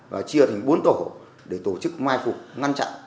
và chia thành bốn tổ để tổ chức mai phục ngăn chặn